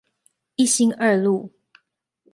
一心二路